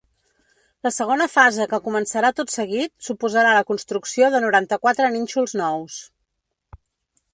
La segona fase que començarà tot seguit, suposarà la construcció de noranta-quatre nínxols nous.